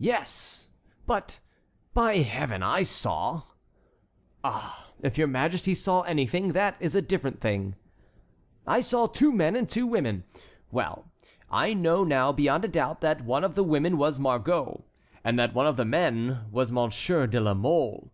"Yes, but, by Heaven, I saw"— "Ah, if your Majesty saw anything, that is a different thing." "I saw two men and two women. Well, I know now beyond a doubt that one of the women was Margot, and that one of the men was Monsieur de la Mole."